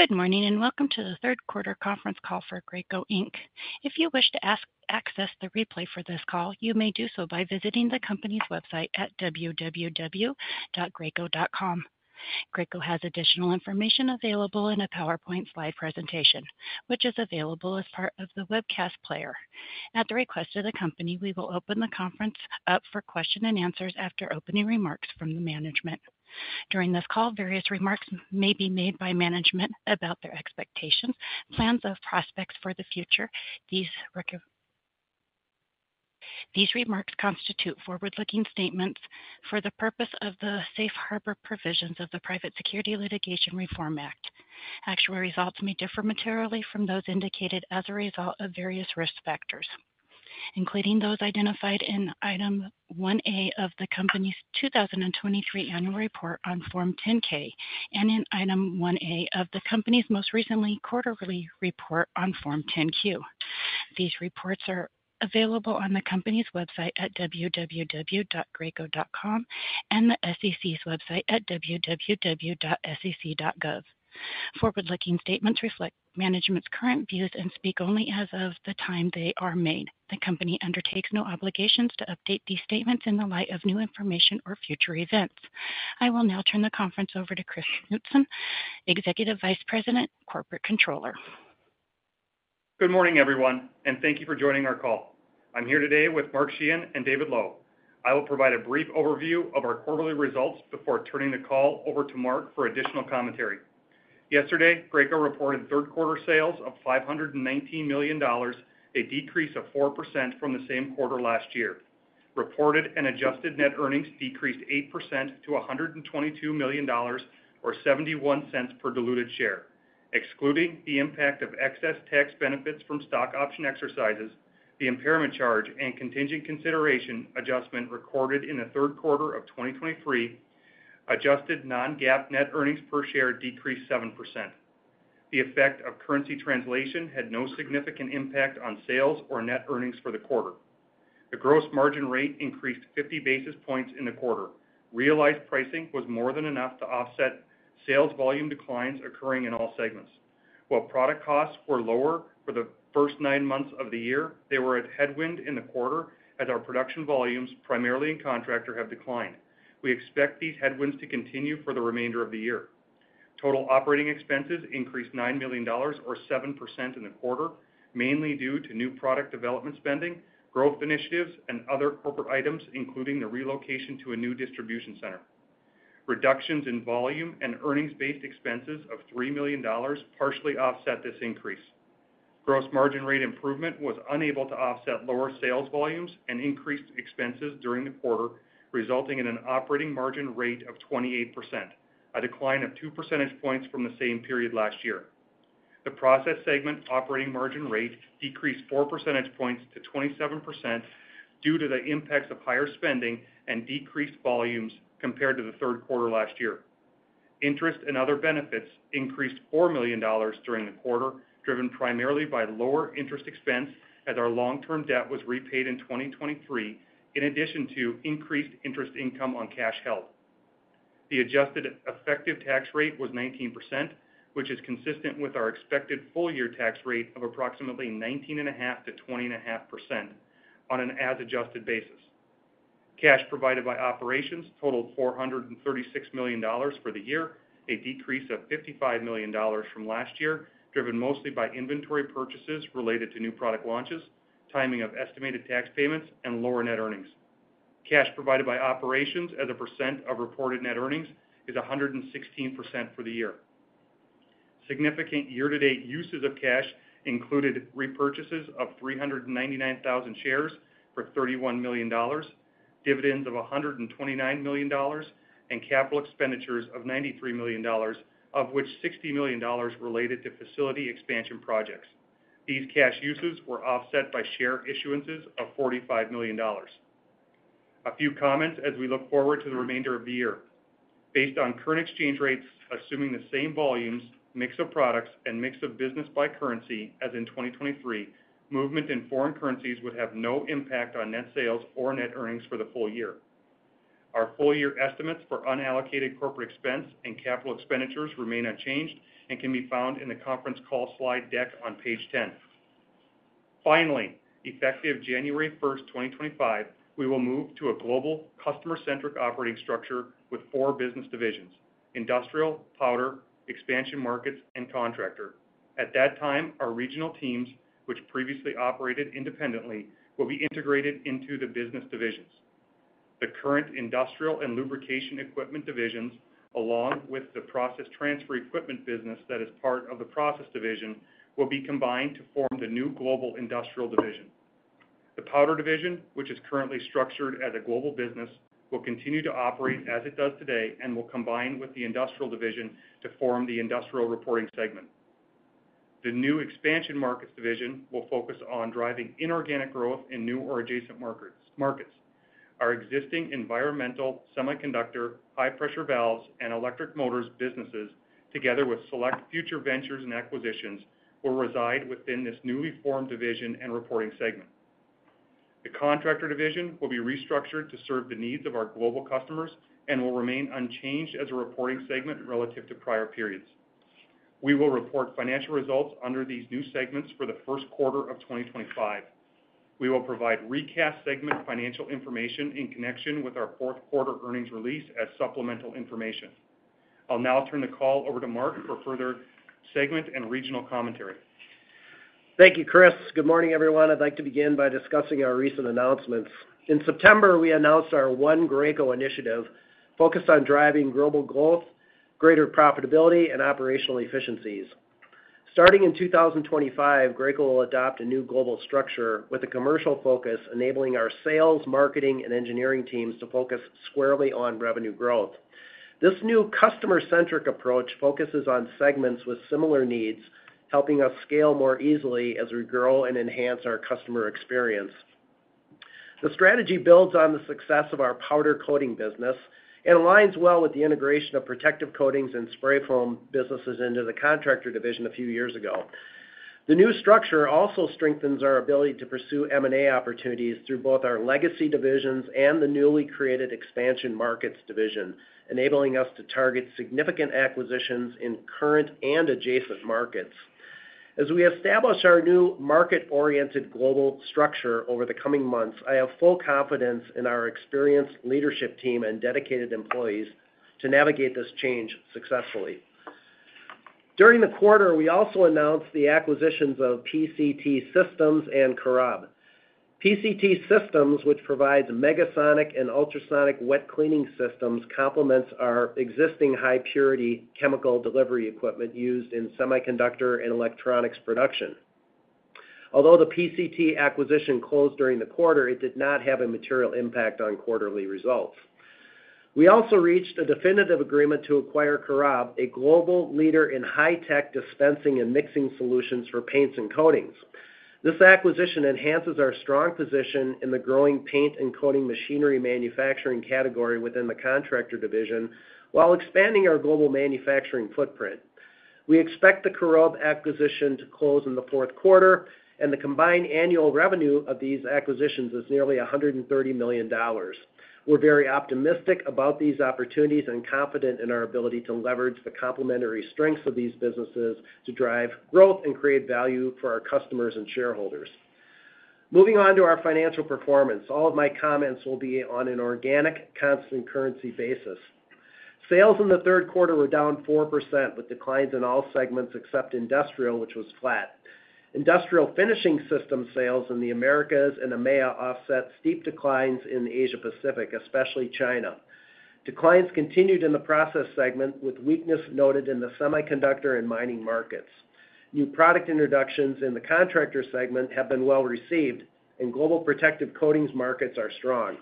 Good morning, and welcome to the Q3 Conference Call for Graco Inc. If you wish to access the replay for this call, you may do so by visiting the company's website at www.graco.com. Graco has additional information available in a PowerPoint slide presentation, which is available as part of the webcast player. At the request of the company, we will open the conference up for question and answers after opening remarks from the management. During this call, various remarks may be made by management about their expectations, plans, or prospects for the future. These remarks constitute forward-looking statements for the purpose of the Safe Harbor Provisions of the Private Securities Litigation Reform Act. Actual results may differ materially from those indicated as a result of various risk factors, including those identified in Item 1A of the company's 2023 Annual Report on Form 10-K and in Item 1A of the company's most recent quarterly report on Form 10-Q. These reports are available on the company's website at www.graco.com and the SEC's website at www.sec.gov. Forward-looking statements reflect management's current views and speak only as of the time they are made. The company undertakes no obligations to update these statements in the light of new information or future events. I will now turn the conference over to Chris Knutson, Executive Vice President, Corporate Controller. Good morning, everyone, and thank you for joining our call. I'm here today with Mark Sheahan and David Lowe. I will provide a brief overview of our quarterly results before turning the call over to Mark for additional commentary. Yesterday, Graco reported Q3 sales of $519 million, a decrease of 4% from the same quarter last year. Reported and adjusted net earnings decreased 8% to $122 million or $0.71 per diluted share. Excluding the impact of excess tax benefits from stock option exercises, the impairment charge and contingent consideration adjustment recorded in the Q3 of 2023, adjusted non-GAAP net earnings per share decreased 7%. The effect of currency translation had no significant impact on sales or net earnings for the quarter. The gross margin rate increased 50 basis points in the quarter. Realized pricing was more than enough to offset sales volume declines occurring in all segments. While product costs were lower for the first nine months of the year, they were a headwind in the quarter as our production volumes, primarily in Contractor, have declined. We expect these headwinds to continue for the remainder of the year. Total operating expenses increased $9 million, or 7% in the quarter, mainly due to new product development spending, growth initiatives, and other corporate items, including the relocation to a new distribution center. Reductions in volume and earnings-based expenses of $3 million partially offset this increase. Gross margin rate improvement was unable to offset lower sales volumes and increased expenses during the quarter, resulting in an operating margin rate of 28%, a decline of two percentage points from the same period last year. The Process segment operating margin rate decreased four percentage points to 27% due to the impacts of higher spending and decreased volumes compared to the Q3 last year. Interest and other benefits increased $4 million during the quarter, driven primarily by lower interest expense as our long-term debt was repaid in 2023, in addition to increased interest income on cash held. The adjusted effective tax rate was 19%, which is consistent with our expected full-year tax rate of approximately 19.5%-20.5% on an as-adjusted basis. Cash provided by operations totaled $436 million for the year, a decrease of $55 million from last year, driven mostly by inventory purchases related to new product launches, timing of estimated tax payments, and lower net earnings. Cash provided by operations as a percent of reported net earnings is 116% for the year. Significant year-to-date uses of cash included repurchases of 399,000 shares for $31 million, dividends of $129 million, and capital expenditures of $93 million, of which $60 million related to facility expansion projects. These cash uses were offset by share issuances of $45 million. A few comments as we look forward to the remainder of the year. Based on current exchange rates, assuming the same volumes, mix of products, and mix of business by currency as in 2023, movement in foreign currencies would have no impact on net sales or net earnings for the full year. Our full year estimates for unallocated corporate expense and capital expenditures remain unchanged and can be found in the conference call slide deck on page 10. Finally, effective January 1, 2025, we will move to a global customer-centric operating structure with four business divisions: Industrial, Powder, Expansion Markets, and Contractor. At that time, our regional teams, which previously operated independently, will be integrated into the business divisions. The current Industrial and Lubrication Equipment divisions, along with the Process Transfer Equipment business that is part of the Process division, will be combined to form the new global Industrial division. The Powder division, which is currently structured as a global business, will continue to operate as it does today and will combine with the Industrial division to form the Industrial reporting segment. The new Expansion Markets division will focus on driving inorganic growth in new or adjacent markets. Our existing environmental, semiconductor, high pressure valves, and electric motors businesses, together with select future ventures and acquisitions, will reside within this newly formed division and reporting segment. The Contractor Division will be restructured to serve the needs of our global customers and will remain unchanged as a reporting segment relative to prior periods. We will report financial results under these new segments for the Q1 of 2025. We will provide recast segment financial information in connection with our Q4 earnings release as supplemental information. I'll now turn the call over to Mark for further segment and regional commentary. Thank you, Chris. Good morning, everyone. I'd like to begin by discussing our recent announcements. In September, we announced our One Graco Initiative, focused on driving global growth, greater profitability, and operational efficiencies. Starting in 2025, Graco will adopt a new global structure with a commercial focus, enabling our sales, marketing, and engineering teams to focus squarely on revenue growth. This new customer-centric approach focuses on segments with similar needs, helping us scale more easily as we grow and enhance our customer experience. The strategy builds on the success of our powder coating business and aligns well with the integration of protective coatings and spray foam businesses into the contractor division a few years ago. The new structure also strengthens our ability to pursue M&A opportunities through both our legacy divisions and the newly created Expansion Markets Division, enabling us to target significant acquisitions in current and adjacent markets. As we establish our new market-oriented global structure over the coming months, I have full confidence in our experienced leadership team and dedicated employees to navigate this change successfully. During the quarter, we also announced the acquisitions of PCT Systems and COROB. PCT Systems, which provides megasonic and ultrasonic wet cleaning systems, complements our existing high-purity chemical delivery equipment used in semiconductor and electronics production. Although the PCT acquisition closed during the quarter, it did not have a material impact on quarterly results. We also reached a definitive agreement to acquire COROB, a global leader in high-tech dispensing and mixing solutions for paints and coatings. This acquisition enhances our strong position in the growing paint and coating machinery manufacturing category within the Contractor Division, while expanding our global manufacturing footprint. We expect the COROB acquisition to close in the Q4, and the combined annual revenue of these acquisitions is nearly $130 million. We're very optimistic about these opportunities and confident in our ability to leverage the complementary strengths of these businesses to drive growth and create value for our customers and shareholders. Moving on to our financial performance. All of my comments will be on an organic, constant currency basis. Sales in the Q3 were down 4%, with declines in all segments except Industrial, which was flat. Industrial finishing system sales in the Americas and EMEA offset steep declines in Asia Pacific, especially China. Declines continued in the process segment, with weakness noted in the semiconductor and mining markets. New product introductions in the contractor segment have been well received, and global protective coatings markets are strong.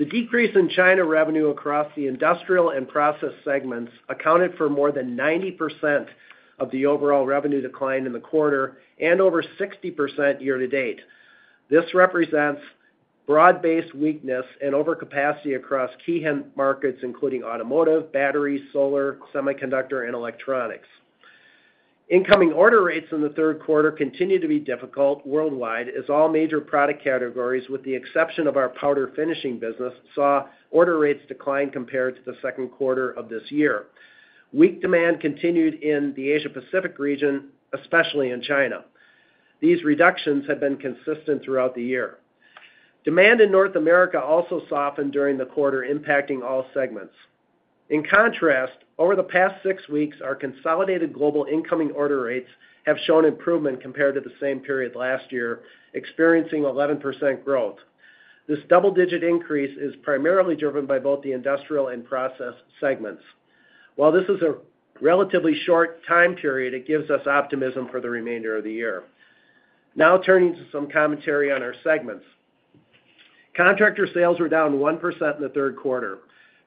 The decrease in China revenue across the industrial and process segments accounted for more than 90% of the overall revenue decline in the quarter and over 60% year to date. This represents broad-based weakness and overcapacity across key end markets, including automotive, battery, solar, semiconductor, and electronics. Incoming order rates in the Q3 continued to be difficult worldwide, as all major product categories, with the exception of our powder finishing business, saw order rates decline compared to the Q2 of this year. Weak demand continued in the Asia Pacific region, especially in China. These reductions have been consistent throughout the year. Demand in North America also softened during the quarter, impacting all segments. In contrast, over the past six weeks, our consolidated global incoming order rates have shown improvement compared to the same period last year, experiencing 11% growth. This double-digit increase is primarily driven by both the industrial and process segments. While this is a relatively short time period, it gives us optimism for the remainder of the year. Now turning to some commentary on our segments. Contractor sales were down 1% in the Q3.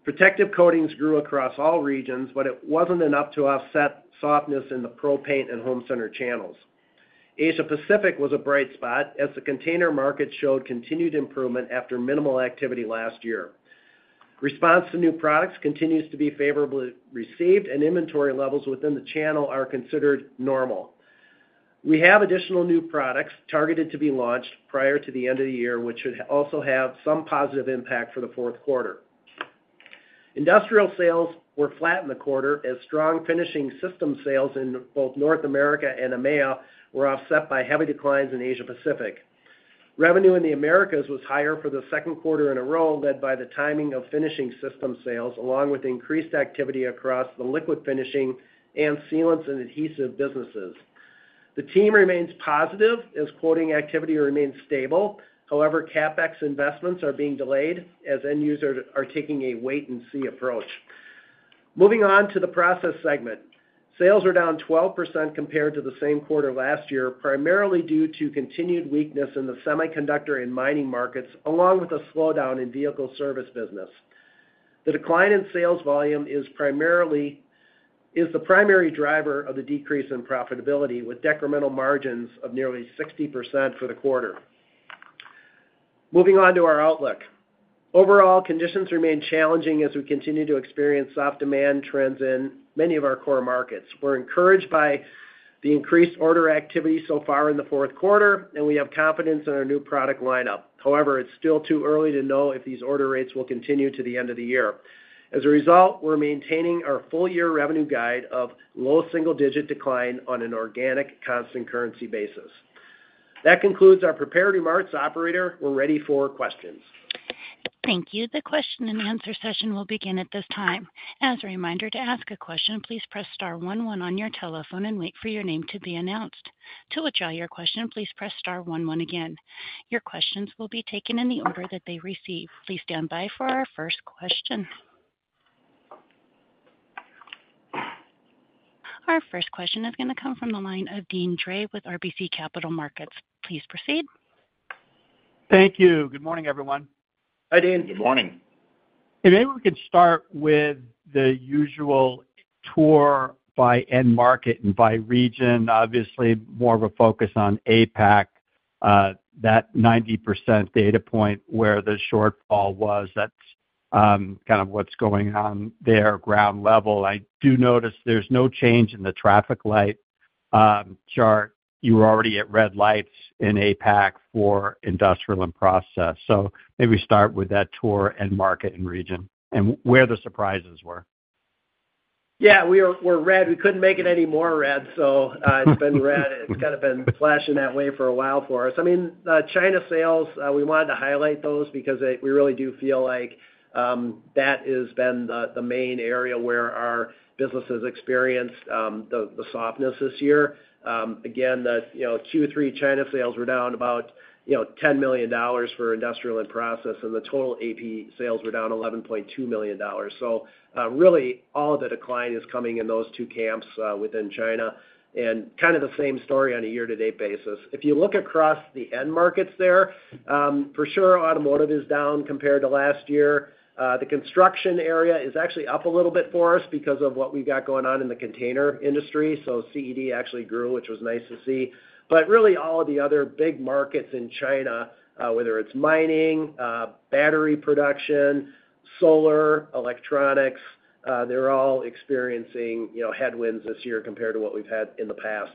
Protective coatings grew across all regions, but it wasn't enough to offset softness in the pro paint and home center channels. Asia Pacific was a bright spot, as the container market showed continued improvement after minimal activity last year. Response to new products continues to be favorably received, and inventory levels within the channel are considered normal. We have additional new products targeted to be launched prior to the end of the year, which should also have some positive impact for the Q4. Industrial sales were flat in the quarter, as strong finishing system sales in both North America and EMEA were offset by heavy declines in Asia Pacific. Revenue in the Americas was higher for the Q2 in a row, led by the timing of finishing system sales, along with increased activity across the liquid finishing and sealants and adhesives businesses. The team remains positive as quoting activity remains stable. However, CapEx investments are being delayed as end users are taking a wait-and-see approach. Moving on to the process segment. Sales are down 12% compared to the same quarter last year, primarily due to continued weakness in the semiconductor and mining markets, along with a slowdown in vehicle service business. The decline in sales volume is the primary driver of the decrease in profitability, with decremental margins of nearly 60% for the quarter. Moving on to our outlook. Overall, conditions remain challenging as we continue to experience soft demand trends in many of our core markets. We're encouraged by the increased order activity so far in the Q4, and we have confidence in our new product lineup. However, it's still too early to know if these order rates will continue to the end of the year. As a result, we're maintaining our full-year revenue guide of low single-digit decline on an organic, constant currency basis. That concludes our prepared remarks. Operator, we're ready for questions. Thank you. The question-and-answer session will begin at this time. As a reminder, to ask a question, please press star one one on your telephone and wait for your name to be announced. To withdraw your question, please press star one one again. Your questions will be taken in the order that they receive. Please stand by for our first question. Our first question is gonna come from the line of Deane Dray with RBC Capital Markets. Please proceed. Thank you. Good morning, everyone. Hi, Dean. Good morning. If maybe we could start with the usual tour by end market and by region, obviously, more of a focus on APAC, that 90% data point where the shortfall was, that's kind of what's going on there, ground level. I do notice there's no change in the traffic light chart. You were already at red lights in APAC for industrial and process. So maybe start with that tour end market and region, and where the surprises were. Yeah, we're red. We couldn't make it any more red, so, it's been red, and it's kind of been flashing that way for a while for us. I mean, the China sales, we wanted to highlight those because we really do feel like that has been the main area where our businesses experienced the softness this year. Again, you know, Q3 China sales were down about $10 million for industrial and process, and the total AP sales were down $11.2 million. So, really, all of the decline is coming in those two camps within China, and kind of the same story on a year-to-date basis. If you look across the end markets there, for sure, automotive is down compared to last year. The construction area is actually up a little bit for us because of what we've got going on in the container industry, so CED actually grew, which was nice to see. But really, all the other big markets in China, whether it's mining, battery production, solar, electronics, they're all experiencing, you know, headwinds this year compared to what we've had in the past.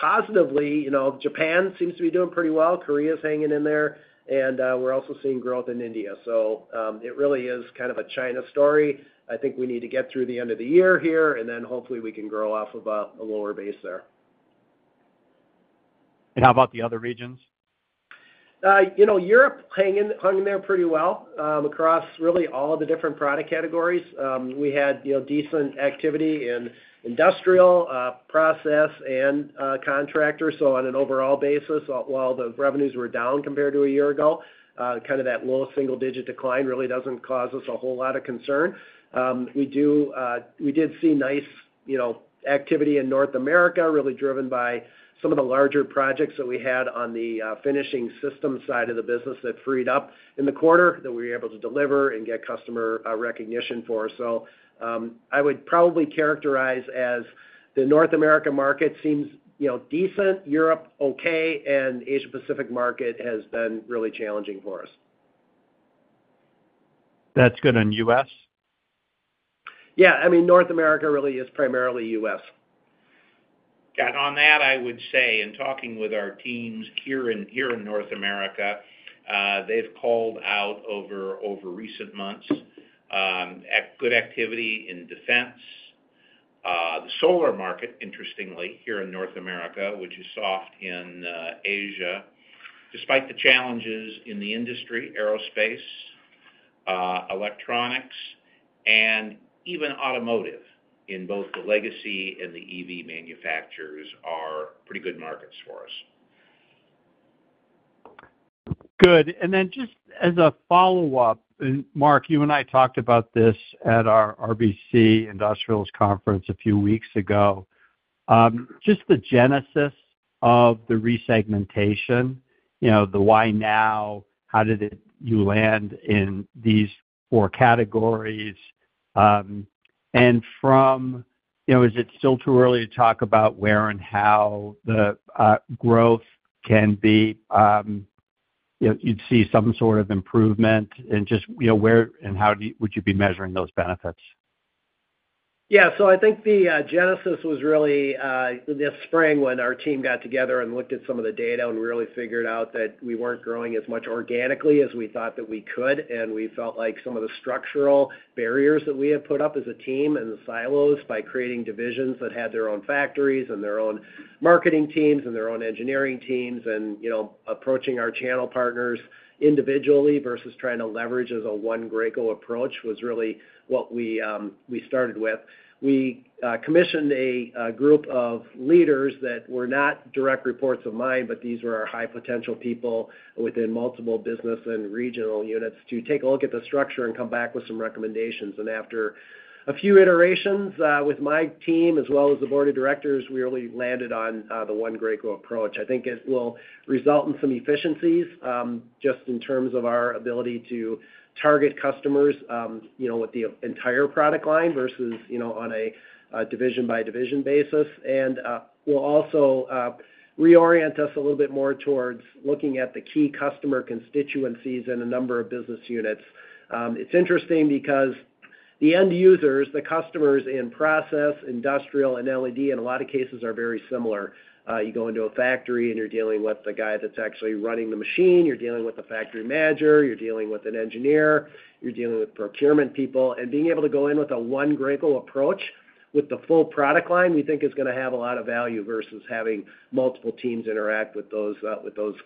Positively, you know, Japan seems to be doing pretty well. Korea's hanging in there, and we're also seeing growth in India. So, it really is kind of a China story. I think we need to get through the end of the year here, and then hopefully, we can grow off of a lower base there. And how about the other regions? You know, Europe hung in there pretty well, across really all of the different product categories. We had, you know, decent activity in industrial, process, and contractor. So on an overall basis, while the revenues were down compared to a year ago, kind of that low single digit decline really doesn't cause us a whole lot of concern. We did see nice, you know, activity in North America, really driven by some of the larger projects that we had on the finishing system side of the business that freed up in the quarter, that we were able to deliver and get customer recognition for. So, I would probably characterize as the North America market seems, you know, decent, Europe, okay, and Asia Pacific market has been really challenging for us. That's good on U.S.? Yeah, I mean, North America really is primarily U.S. Yeah, and on that, I would say in talking with our teams here in North America, they've called out over recent months a good activity in defense. The solar market, interestingly, here in North America, which is soft in Asia, despite the challenges in the industry, aerospace, electronics, and even automotive, in both the legacy and the EV manufacturers, are pretty good markets for us. Good. And then just as a follow-up, and Mark, you and I talked about this at our RBC Industrials Conference a few weeks ago. Just the genesis of the resegmentation, you know, the why now? How did you land in these four categories? And from... You know, is it still too early to talk about where and how the growth can be, you know, you'd see some sort of improvement, and just, you know, where and how would you be measuring those benefits? Yeah, so I think the genesis was really this spring, when our team got together and looked at some of the data and really figured out that we weren't growing as much organically as we thought that we could. And we felt like some of the structural barriers that we had put up as a team and the silos by creating divisions that had their own factories and their own marketing teams and their own engineering teams, and, you know, approaching our channel partners individually versus trying to leverage as a One Graco approach, was really what we started with. We commissioned a group of leaders that were not direct reports of mine, but these were our high-potential people within multiple business and regional units, to take a look at the structure and come back with some recommendations. And after a few iterations, with my team as well as the board of directors, we really landed on the One Graco approach. I think it will result in some efficiencies, just in terms of our ability to target customers, you know, with the entire product line versus, you know, on a division-by-division basis. And we'll also reorient us a little bit more towards looking at the key customer constituencies in a number of business units. It's interesting because the end users, the customers in Process, Industrial, and LED, in a lot of cases, are very similar. You go into a factory, and you're dealing with the guy that's actually running the machine, you're dealing with the factory manager, you're dealing with an engineer, you're dealing with procurement people. And being able to go in with a One Graco approach with the full product line, we think is gonna have a lot of value versus having multiple teams interact with those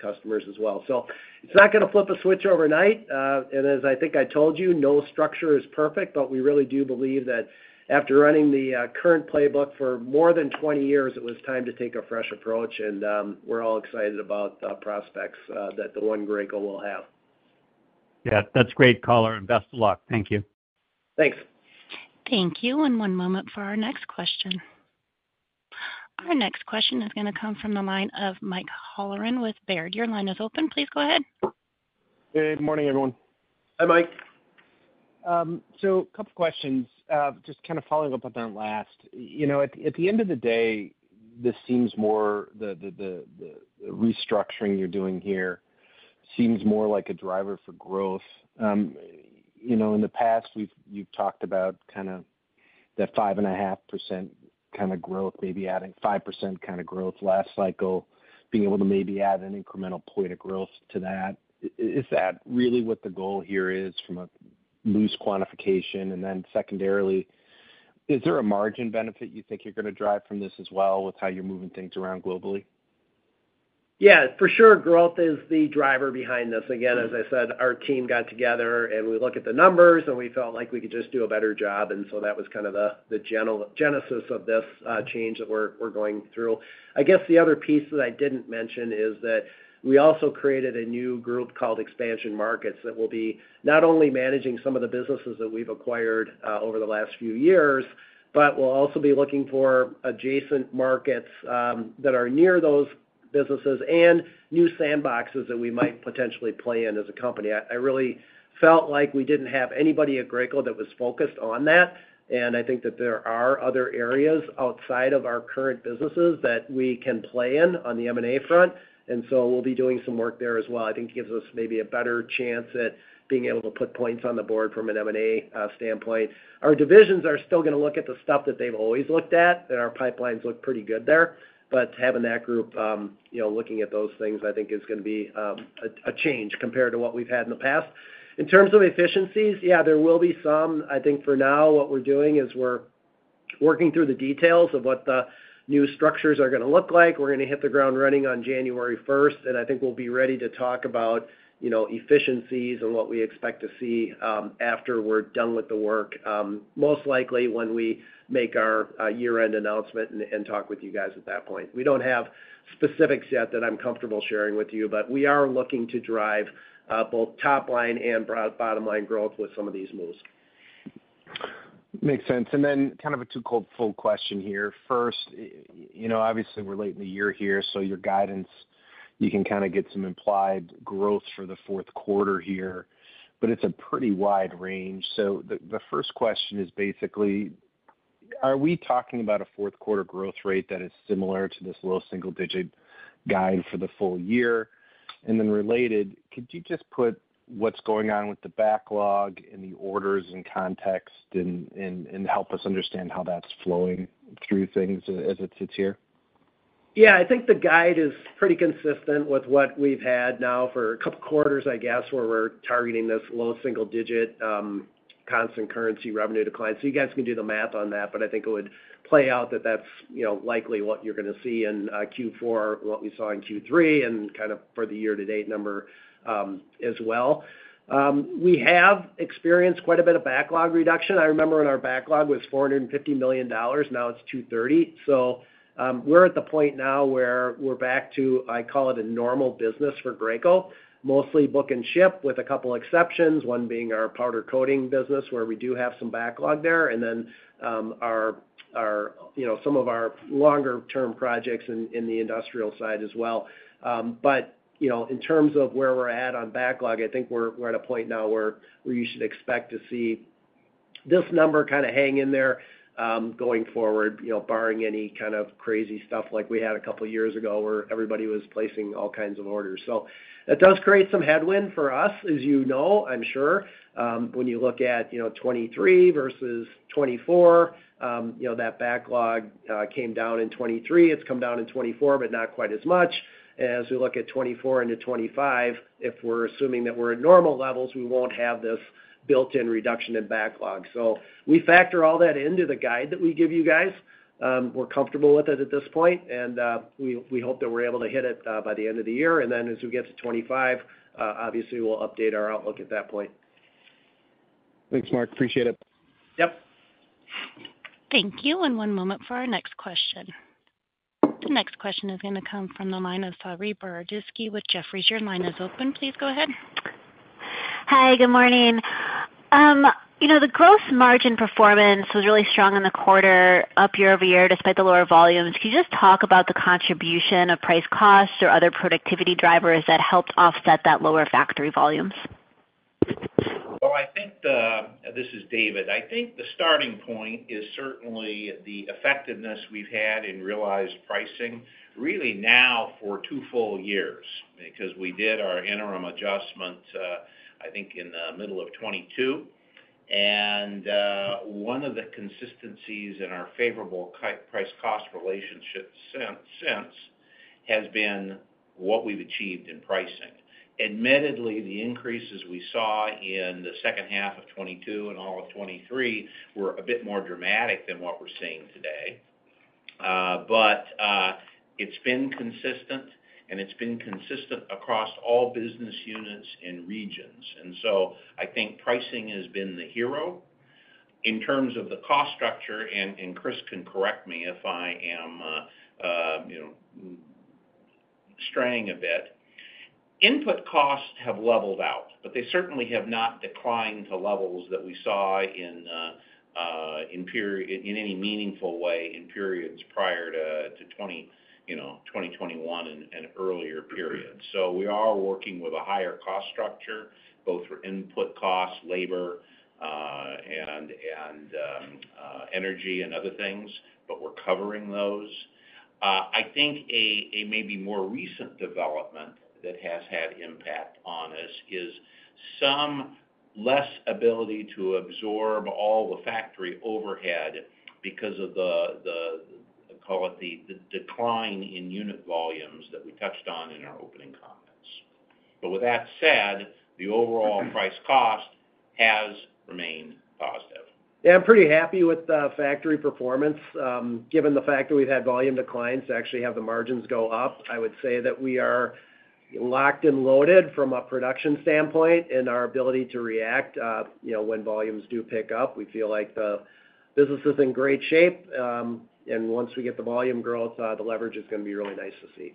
customers as well. So it's not gonna flip a switch overnight. And as I think I told you, no structure is perfect, but we really do believe that after running the current playbook for more than 20 years, it was time to take a fresh approach, and we're all excited about the prospects that the One Graco will have. Yeah, that's great, caller, and best of luck. Thank you. Thanks. Thank you, and one moment for our next question. Our next question is gonna come from the line of Mike Halloran with Baird. Your line is open. Please go ahead. Good morning, everyone. Hi, Mike. So a couple questions. Just kind of following up on that last. You know, at the end of the day, the restructuring you're doing here seems more like a driver for growth. You know, in the past, you've talked about kind of the 5.5% kind of growth, maybe adding 5% kind of growth last cycle, being able to maybe add an incremental point of growth to that. Is that really what the goal here is from a loose quantification? And then secondarily, is there a margin benefit you think you're gonna drive from this as well, with how you're moving things around globally? Yeah, for sure, growth is the driver behind this. Again, as I said, our team got together, and we look at the numbers, and we felt like we could just do a better job, and so that was kind of the genesis of this change that we're going through. I guess the other piece that I didn't mention is that we also created a new group called Expansion Markets that will be not only managing some of the businesses that we've acquired over the last few years, but we'll also be looking for adjacent markets that are near those businesses and new sandboxes that we might potentially play in as a company. I really felt like we didn't have anybody at Graco that was focused on that, and I think that there are other areas outside of our current businesses that we can play in on the M&A front, and so we'll be doing some work there as well. I think it gives us maybe a better chance at being able to put points on the board from an M&A standpoint. Our divisions are still gonna look at the stuff that they've always looked at, and our pipelines look pretty good there. But having that group, you know, looking at those things, I think is gonna be a change compared to what we've had in the past. In terms of efficiencies, yeah, there will be some. I think for now, what we're doing is we're working through the details of what the new structures are gonna look like. We're gonna hit the ground running on January 1st, and I think we'll be ready to talk about, you know, efficiencies and what we expect to see after we're done with the work, most likely when we make our year-end announcement and talk with you guys at that point. We don't have specifics yet that I'm comfortable sharing with you, but we are looking to drive both top line and bottom line growth with some of these moves. Makes sense. And then kind of a two-fold question here. First, you know, obviously, we're late in the year here, so your guidance, you can kind of get some implied growth for the Q4 here, but it's a pretty wide range. So the first question is basically: Are we talking about a Q4 growth rate that is similar to this low single digit guide for the full year? And then related: Could you just put what's going on with the backlog and the orders in context and help us understand how that's flowing through things as it sits here? Yeah, I think the guide is pretty consistent with what we've had now for a couple quarters, I guess, where we're targeting this low single digit constant currency revenue decline. So you guys can do the math on that, but I think it would play out that that's, you know, likely what you're gonna see in Q4, what we saw in Q3, and kind of for the year-to-date number as well. We have experienced quite a bit of backlog reduction. I remember when our backlog was $450 million. Now it's $230 million. So, we're at the point now where we're back to, I call it, a normal business for Graco. Mostly book and ship, with a couple exceptions, one being our powder coating business, where we do have some backlog there, and then, you know, some of our longer term projects in the industrial side as well. But, you know, in terms of where we're at on backlog, I think we're at a point now where you should expect to see this number kind of hang in there, going forward, you know, barring any kind of crazy stuff like we had a couple of years ago, where everybody was placing all kinds of orders. So that does create some headwind for us, as you know, I'm sure. When you look at, you know, 2023 versus 2024, you know, that backlog came down in 2023. It's come down in 2024, but not quite as much. As we look at 2024 into 2025, if we're assuming that we're at normal levels, we won't have this built-in reduction in backlog. So we factor all that into the guide that we give you guys. We're comfortable with it at this point, and we hope that we're able to hit it by the end of the year, and then as we get to 2025, obviously, we'll update our outlook at that point. Thanks, Mark. Appreciate it. Yep. Thank you, and one moment for our next question. The next question is gonna come from the line of, Saree Boroditsky with Jefferies. Your line is open. Please go ahead. Hi, good morning. You know, the gross margin performance was really strong in the quarter, up year-over-year, despite the lower volumes. Can you just talk about the contribution of price/cost or other productivity drivers that helped offset that lower factory volumes? This is David. I think the starting point is certainly the effectiveness we've had in realized pricing, really now for two full years, because we did our interim adjustment, I think, in the middle of 2022, and one of the consistencies in our favorable price-cost relationship since has been what we've achieved in pricing. Admittedly, the increases we saw in the second half of 2022 and all of 2023 were a bit more dramatic than what we're seeing today. But it's been consistent, and it's been consistent across all business units and regions. So I think pricing has been the hero. In terms of the cost structure, Chris can correct me if I am, you know, straying a bit. Input costs have leveled out, but they certainly have not declined to levels that we saw in any meaningful way, in periods prior to 2021 and earlier periods. So we are working with a higher cost structure, both for input costs, labor, and energy and other things, but we're covering those. I think a maybe more recent development that has had impact on us is some less ability to absorb all the factory overhead because of the decline in unit volumes that we touched on in our opening comments. But with that said, the overall price cost has remained positive. Yeah, I'm pretty happy with the factory performance. Given the fact that we've had volume declines to actually have the margins go up, I would say that we are locked and loaded from a production standpoint and our ability to react, you know, when volumes do pick up. We feel like the business is in great shape, and once we get the volume growth, the leverage is gonna be really nice to see.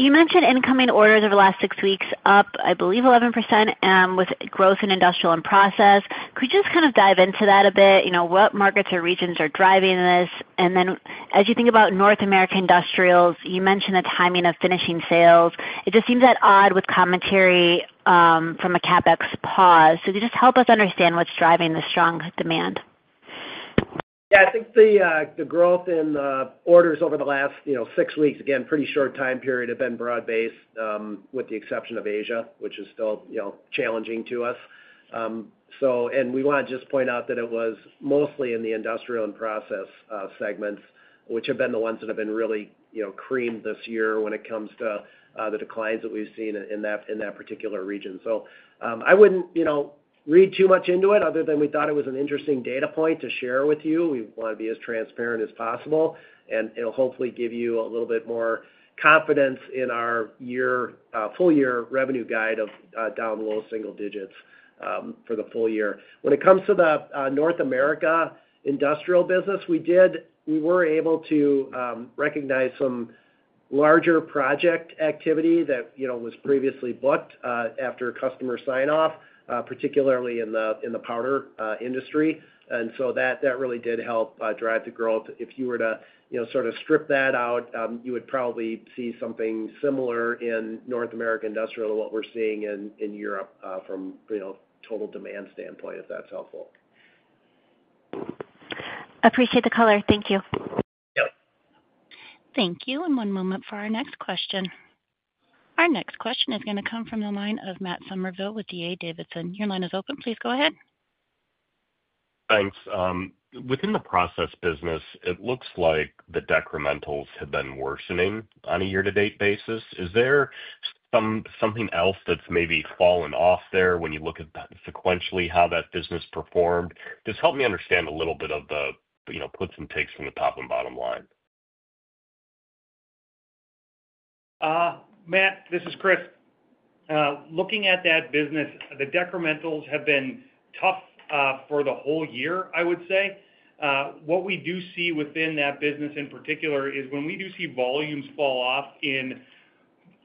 You mentioned incoming orders over the last six weeks, up, I believe, 11%, with growth in industrial and process. Could you just kind of dive into that a bit? You know, what markets or regions are driving this? And then as you think about North American industrials, you mentioned the timing of finishing sales. It just seems at odds with commentary from a CapEx pause. So just help us understand what's driving the strong demand. Yeah, I think the growth in orders over the last, you know, six weeks, again, pretty short time period, have been broad-based, with the exception of Asia, which is still, you know, challenging to us. So, and we want to just point out that it was mostly in the industrial and process segments, which have been the ones that have been really, you know, creamed this year when it comes to the declines that we've seen in that particular region. So, I wouldn't, you know, read too much into it other than we thought it was an interesting data point to share with you. We want to be as transparent as possible, and it'll hopefully give you a little bit more confidence in our year, full year revenue guide of down low single digits for the full year. When it comes to the North America industrial business, we were able to recognize some larger project activity that, you know, was previously booked after customer sign-off, particularly in the powder industry. And so that really did help drive the growth. If you were to, you know, sort of strip that out, you would probably see something similar in North American industrial to what we're seeing in Europe from total demand standpoint, if that's helpful. Appreciate the color. Thank you. Yep. Thank you. And one moment for our next question. Our next question is gonna come from the line of Matt Summerville with D.A. Davidson. Your line is open. Please go ahead. Thanks. Within the process business, it looks like the decrementals have been worsening on a year-to-date basis. Is there something else that's maybe fallen off there when you look at sequentially how that business performed? Just help me understand a little bit of the, you know, puts and takes from the top and bottom line. Matt, this is Chris. Looking at that business, the decrementals have been tough, for the whole year, I would say. What we do see within that business, in particular, is when we do see volumes fall off in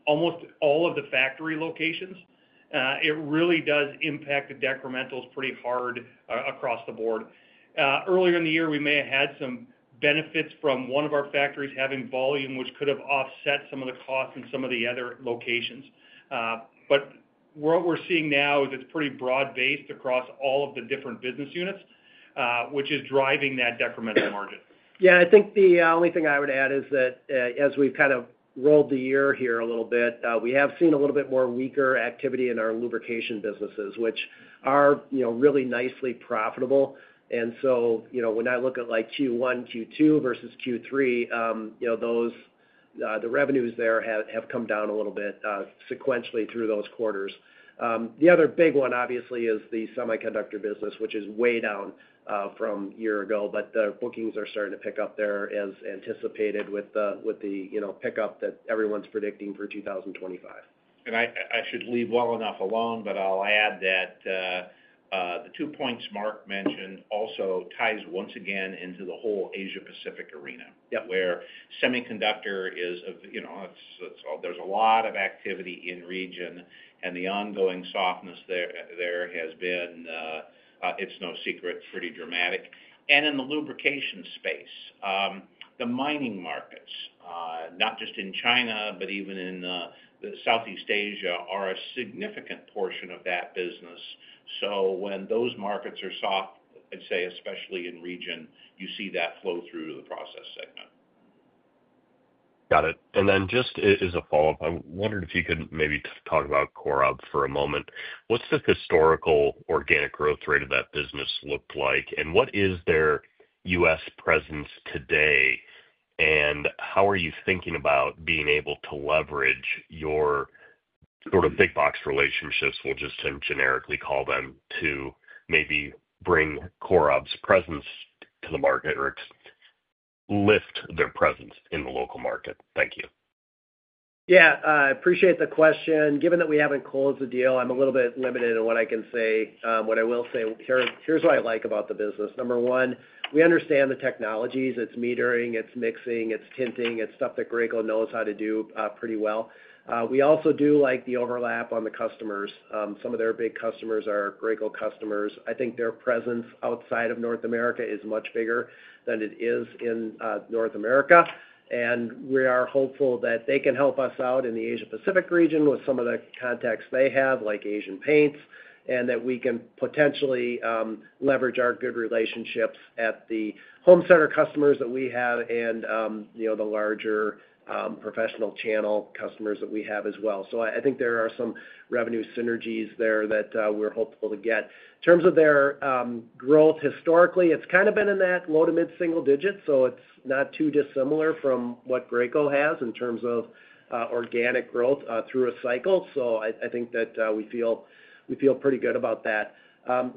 almost all of the factory locations, it really does impact the decrementals pretty hard across the board. Earlier in the year, we may have had some benefits from one of our factories having volume, which could have offset some of the costs in some of the other locations, but what we're seeing now is it's pretty broad-based across all of the different business units, which is driving that decremental margin. Yeah, I think the only thing I would add is that as we've kind of rolled the year here a little bit, we have seen a little bit more weaker activity in our lubrication businesses, which are, you know, really nicely profitable. And so, you know, when I look at like Q1, Q2 versus Q3, those, the revenues there have come down a little bit sequentially through those quarters. The other big one, obviously, is the semiconductor business, which is way down from a year ago, but the bookings are starting to pick up there as anticipated with the, you know, pickup that everyone's predicting for 2025. And I should leave well enough alone, but I'll add that, the two points Mark mentioned also ties once again into the whole Asia Pacific arena- Yep where semiconductor is, you know, it's all. There's a lot of activity in the region and the ongoing softness there has been, it's no secret, pretty dramatic. And in the lubrication space, the mining markets, not just in China, but even in the Southeast Asia, are a significant portion of that business. So when those markets are soft, I'd say especially in the region, you see that flow through to the process segment. Got it. And then just as a follow-up, I wondered if you could maybe talk about COROB for a moment. What's the historical organic growth rate of that business look like? And what is their U.S. presence today, and how are you thinking about being able to leverage your sort of big box relationships, we'll just generically call them, to maybe bring COROB's presence to the market or lift their presence in the local market? Thank you. Yeah, I appreciate the question. Given that we haven't closed the deal, I'm a little bit limited in what I can say. What I will say, here, here's what I like about the business. Number one, we understand the technologies. It's metering, it's mixing, it's tinting, it's stuff that Graco knows how to do pretty well. We also do like the overlap on the customers. Some of their big customers are Graco customers. I think their presence outside of North America is much bigger than it is in North America, and we are hopeful that they can help us out in the Asia Pacific region with some of the contacts they have, like Asian Paints, and that we can potentially leverage our good relationships at the home center customers that we have and you know the larger professional channel customers that we have as well. So I think there are some revenue synergies there that we're hopeful to get. In terms of their growth, historically, it's kind of been in that low to mid single digits, so it's not too dissimilar from what Graco has in terms of organic growth through a cycle. So I think that we feel pretty good about that.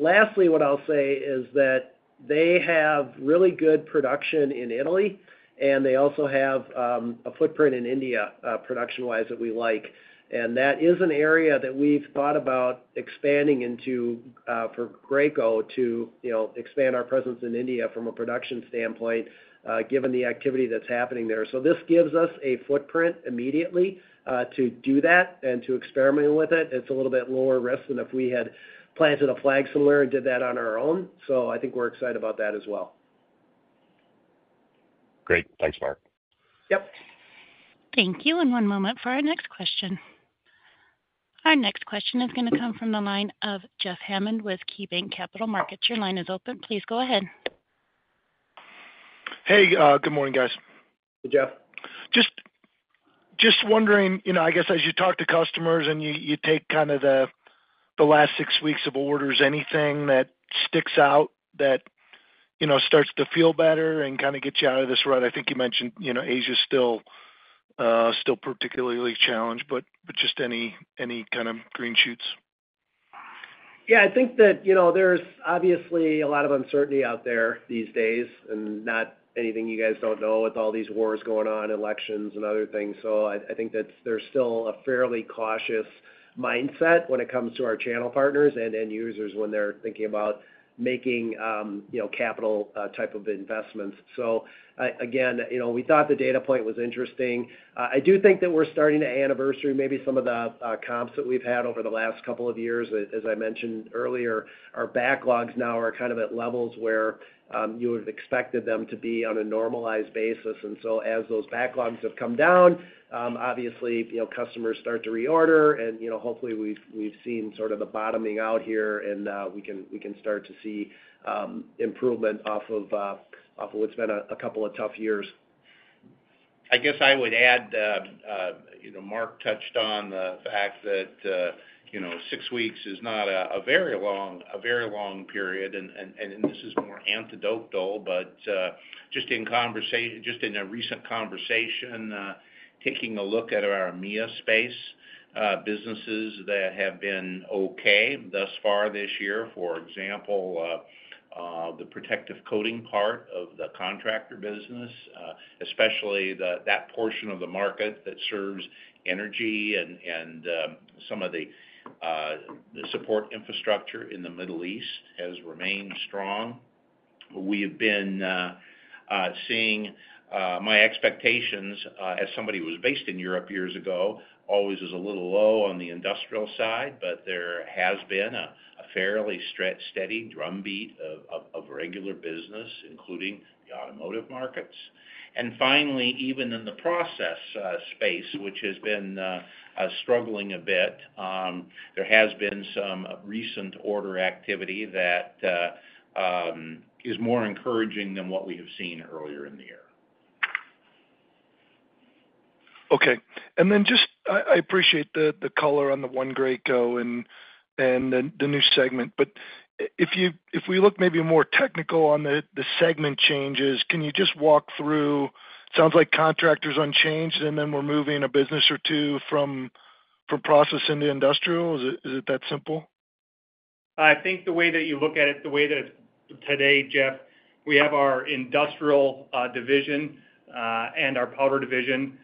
Lastly, what I'll say is that they have really good production in Italy, and they also have a footprint in India, production-wise, that we like. And that is an area that we've thought about expanding into, for Graco to, you know, expand our presence in India from a production standpoint, given the activity that's happening there. So this gives us a footprint immediately, to do that and to experiment with it. It's a little bit lower risk than if we had planted a flag somewhere and did that on our own. So I think we're excited about that as well. Great. Thanks, Mark. Yep. Thank you. And one moment for our next question. Our next question is gonna come from the line of Jeff Hammond with KeyBanc Capital Markets. Your line is open. Please go ahead. Hey, good morning, guys. Hey, Jeff. Just wondering, you know, I guess as you talk to customers and you take kind of the last six weeks of orders, anything that sticks out that, you know, starts to feel better and kind of gets you out of this rut? I think you mentioned, you know, Asia's still particularly challenged, but just any kind of green shoots? Yeah, I think that, you know, there's obviously a lot of uncertainty out there these days and not anything you guys don't know, with all these wars going on, elections and other things. So I think that's. There's still a fairly cautious mindset when it comes to our channel partners and end users when they're thinking about making, you know, capital type of investments. So, again, you know, we thought the data point was interesting. I do think that we're starting to anniversary maybe some of the comps that we've had over the last couple of years. As I mentioned earlier, our backlogs now are kind of at levels where you would have expected them to be on a normalized basis. So as those backlogs have come down, obviously, you know, customers start to reorder and, you know, hopefully, we've seen sort of a bottoming out here, and we can start to see improvement off of what's been a couple of tough years. I guess I would add, you know, Mark touched on the fact that, you know, six weeks is not a very long period, and this is more anecdotal, but just in a recent conversation, taking a look at our EMEA space, businesses that have been okay thus far this year, for example, the protective coating part of the contractor business, especially that portion of the market that serves energy and some of the support infrastructure in the Middle East has remained strong. We have been seeing my expectations as somebody who was based in Europe years ago always is a little low on the industrial side, but there has been a fairly steady drumbeat of regular business, including the automotive markets. And finally, even in the process space, which has been struggling a bit, there has been some recent order activity that is more encouraging than what we have seen earlier in the year. Okay. And then just... I appreciate the color on the One Graco and the new segment, but if we look maybe more technical on the segment changes, can you just walk through? Sounds like Contractor's unchanged, and then we're moving a business or two from Process into Industrial. Is it that simple? I think the way that you look at it, the way that today, Jeff, we have our Industrial Division and our Powder Division,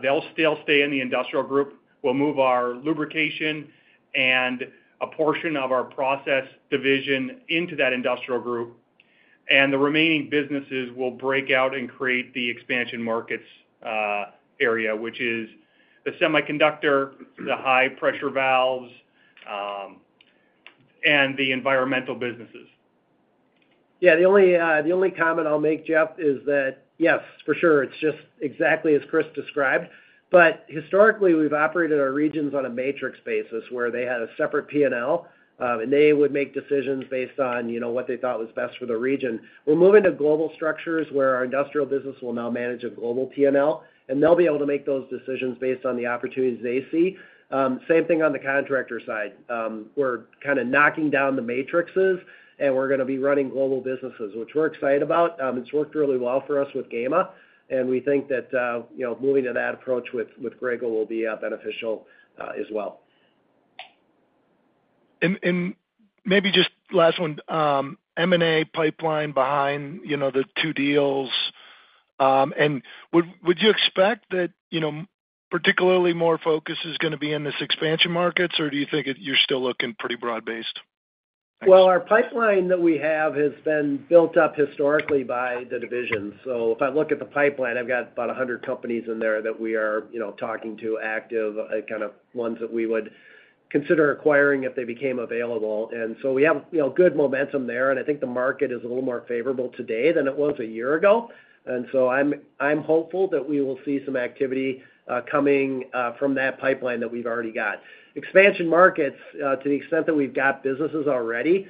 they'll still stay in the industrial group. We'll move our lubrication and a portion of our Process Division into that industrial group, and the remaining businesses will break out and create the expansion markets area, which is the semiconductor, the high pressure valves-... and the environmental businesses? Yeah, the only comment I'll make, Jeff, is that, yes, for sure, it's just exactly as Chris described. But historically, we've operated our regions on a matrix basis, where they had a separate P&L, and they would make decisions based on, you know, what they thought was best for the region. We're moving to global structures, where our industrial business will now manage a global P&L, and they'll be able to make those decisions based on the opportunities they see. Same thing on the contractor side. We're kind of knocking down the matrices, and we're gonna be running global businesses, which we're excited about. It's worked really well for us with Gema, and we think that, you know, moving to that approach with Graco will be beneficial, as well. Maybe just last one, M&A pipeline behind, you know, the two deals. Would you expect that, you know, particularly more focus is gonna be in this expansion markets, or do you think it, you're still looking pretty broad-based? Our pipeline that we have has been built up historically by the division. So if I look at the pipeline, I've got about 100 companies in there that we are, you know, talking to, active, kind of ones that we would consider acquiring if they became available. And so we have, you know, good momentum there, and I think the market is a little more favorable today than it was a year ago. And so I'm hopeful that we will see some activity coming from that pipeline that we've already got. Expansion markets, to the extent that we've got businesses already,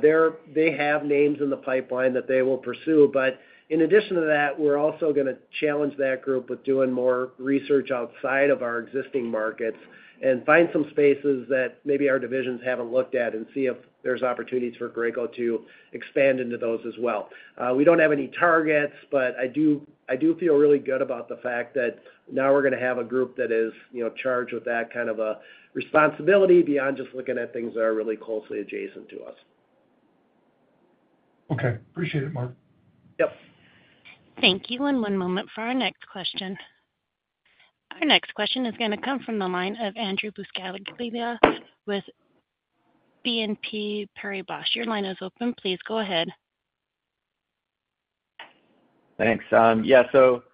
they have names in the pipeline that they will pursue. But in addition to that, we're also gonna challenge that group with doing more research outside of our existing markets and find some spaces that maybe our divisions haven't looked at and see if there's opportunities for Graco to expand into those as well. We don't have any targets, but I do, I do feel really good about the fact that now we're gonna have a group that is, you know, charged with that kind of a responsibility beyond just looking at things that are really closely adjacent to us. Okay. Appreciate it, Mark. Yep. Thank you, and one moment for our next question. Our next question is gonna come from the line of Andrew Buscaglia with BNP Paribas. Your line is open. Please go ahead. Thanks. Yeah, so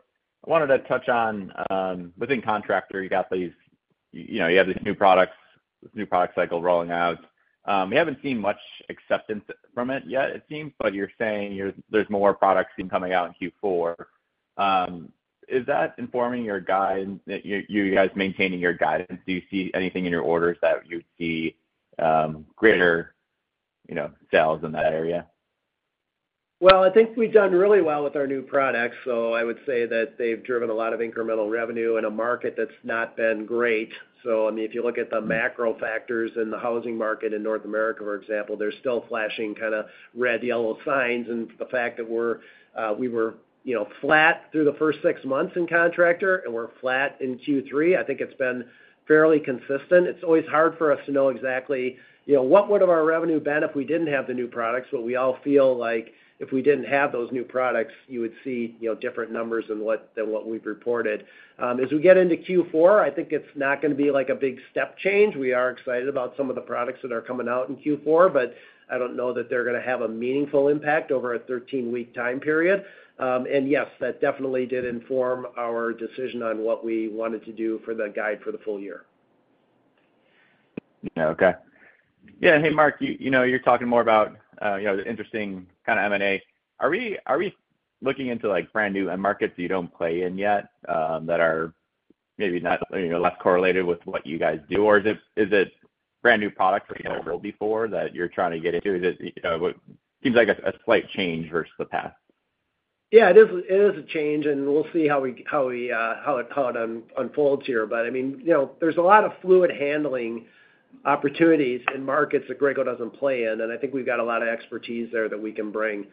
I wanted to touch on, within contractor, you got these, you know, you have these new products, this new product cycle rolling out. We haven't seen much acceptance from it yet, it seems, but you're saying there's more products coming out in Q4. Is that informing your guide, you guys maintaining your guidance? Do you see anything in your orders that you see, greater, you know, sales in that area? I think we've done really well with our new products, so I would say that they've driven a lot of incremental revenue in a market that's not been great. So I mean, if you look at the macro factors in the housing market in North America, for example, they're still flashing kind of red, yellow signs. And the fact that we're, we were, you know, flat through the first six months in contractor and we're flat in Q3, I think it's been fairly consistent. It's always hard for us to know exactly, you know, what would have our revenue been if we didn't have the new products, but we all feel like if we didn't have those new products, you would see, you know, different numbers than what, than what we've reported. As we get into Q4, I think it's not gonna be like a big step change. We are excited about some of the products that are coming out in Q4, but I don't know that they're gonna have a meaningful impact over a 13-week time period. And yes, that definitely did inform our decision on what we wanted to do for the guide for the full year. Yeah, okay. Yeah, and hey, Mark, you know, you're talking more about, you know, the interesting kind of M&A. Are we looking into, like, brand new end markets that you don't play in yet, that are maybe not, you know, less correlated with what you guys do? Or is it brand new products, you know, before that you're trying to get into? It seems like a slight change versus the past. Yeah, it is, it is a change, and we'll see how it kind of unfolds here. But I mean, you know, there's a lot of fluid handling opportunities in markets that Graco doesn't play in, and I think we've got a lot of expertise there that we can bring.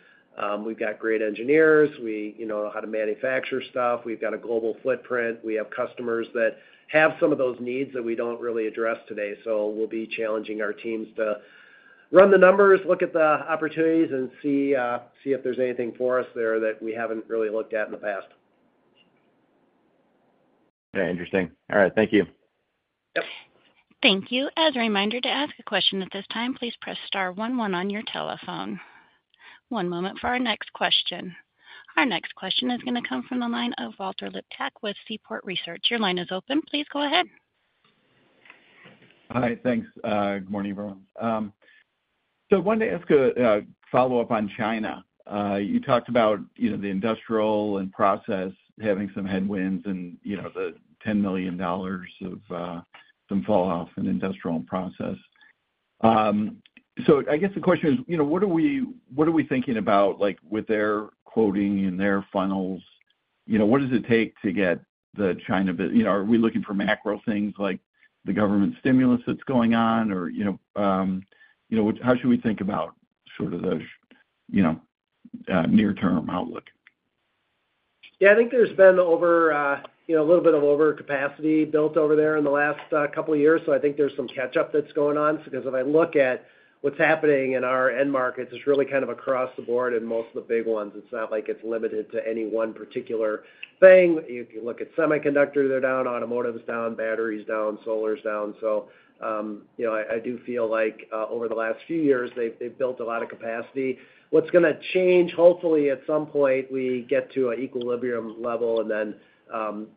We've got great engineers. We, you know, how to manufacture stuff. We've got a global footprint. We have customers that have some of those needs that we don't really address today. So we'll be challenging our teams to run the numbers, look at the opportunities, and see if there's anything for us there that we haven't really looked at in the past. Okay, interesting. All right. Thank you. Yep. Thank you. As a reminder, to ask a question at this time, please press star one, one on your telephone. One moment for our next question. Our next question is gonna come from the line of Walter Liptak with Seaport Research. Your line is open. Please go ahead. Hi, thanks. Good morning, everyone. So I wanted to ask a follow-up on China. You talked about, you know, the industrial and process having some headwinds and, you know, the $10 million of some falloff in industrial and process. So I guess the question is, you know, what are we thinking about, like with their quoting and their funnels? You know, what does it take to get the China-- you know, are we looking for macro things like the government stimulus that's going on? Or, you know, how should we think about sort of the, you know, near-term outlook? Yeah, I think there's been over, you know, a little bit of overcapacity built over there in the last, couple of years, so I think there's some catch up that's going on. Because if I look at what's happening in our end markets, it's really kind of across the board in most of the big ones. It's not like it's limited to any one particular thing. If you look at semiconductor, they're down, automotive is down, battery is down, solar is down. So, you know, I do feel like, over the last few years, they've built a lot of capacity. What's gonna change, hopefully, at some point, we get to an equilibrium level, and then,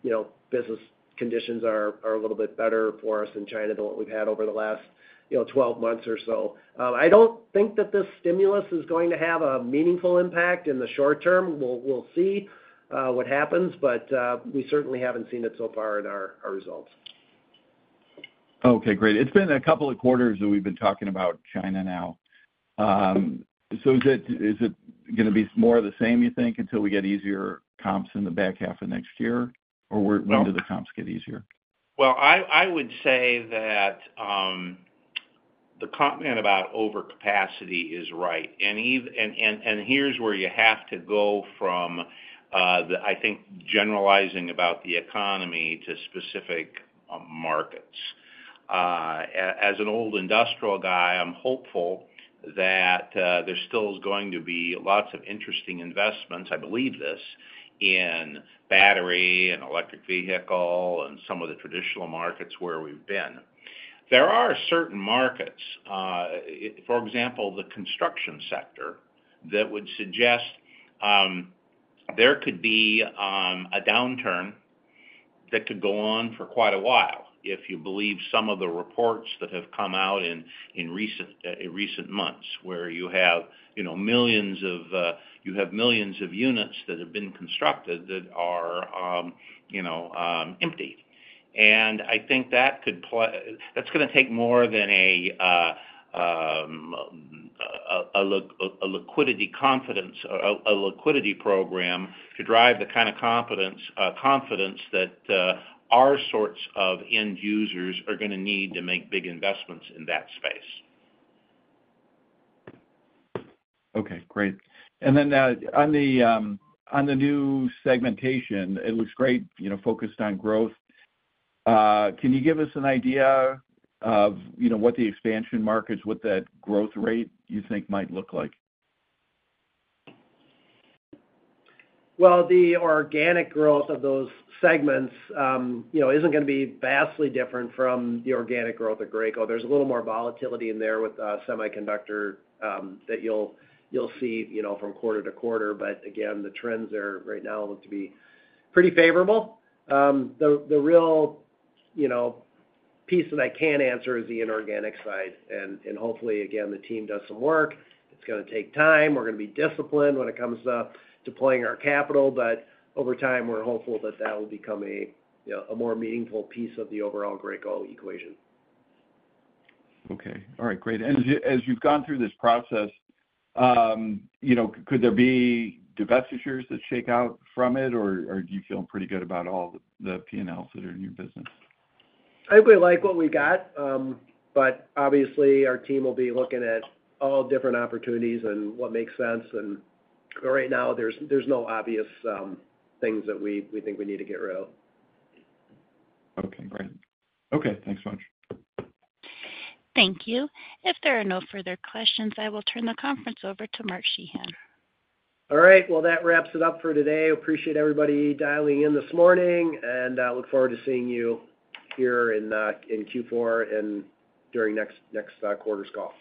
you know, business conditions are a little bit better for us in China than what we've had over the last, you know, twelve months or so. I don't think that this stimulus is going to have a meaningful impact in the short term. We'll see what happens, but we certainly haven't seen it so far in our results. ... Okay, great. It's been a couple of quarters that we've been talking about China now. So is it, is it gonna be more of the same, you think, until we get easier comps in the back half of next year? Or when do the comps get easier? I would say that the comment about overcapacity is right, and here's where you have to go from the, I think, generalizing about the economy to specific markets. As an old industrial guy, I'm hopeful that there's still going to be lots of interesting investments, I believe this, in battery and electric vehicle and some of the traditional markets where we've been. There are certain markets, for example, the construction sector, that would suggest there could be a downturn that could go on for quite a while, if you believe some of the reports that have come out in recent months, where you have, you know, millions of units that have been constructed that are, you know, empty. That's gonna take more than a liquidity program to drive the kind of confidence that our sorts of end users are gonna need to make big investments in that space. Okay, great. And then, on the new segmentation, it looks great, you know, focused on growth. Can you give us an idea of, you know, what the expansion markets, what that growth rate you think might look like? The organic growth of those segments, you know, isn't gonna be vastly different from the organic growth at Graco. There's a little more volatility in there with semiconductor that you'll see, you know, from quarter to quarter. But again, the trends are right now look to be pretty favorable. The real, you know, piece that I can answer is the inorganic side. And hopefully, again, the team does some work. It's gonna take time. We're gonna be disciplined when it comes to deploying our capital, but over time, we're hopeful that that will become a, you know, a more meaningful piece of the overall Graco equation. Okay. All right, great. And as you've gone through this process, you know, could there be divestitures that shake out from it, or do you feel pretty good about all the P&Ls that are in your business? I think we like what we got, but obviously, our team will be looking at all different opportunities and what makes sense. But right now, there's no obvious things that we think we need to get rid of. Okay, great. Okay, thanks so much. Thank you. If there are no further questions, I will turn the conference over to Mark Sheahan. All right. Well, that wraps it up for today. Appreciate everybody dialing in this morning, and look forward to seeing you here in Q4 and during next quarter's call.